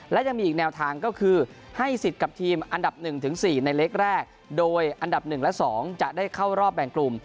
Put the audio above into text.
และยังมีอีกแนวทางก็คือให้สิทธิ์กับทีมอันดับ๑๔ในเล็กแรกโดยอันดับ๑และ๒จะได้เข้ารอบแบ่งกลุ่ม